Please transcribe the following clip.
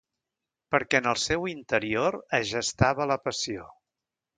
Perquè en el seu interior es gestava la passió.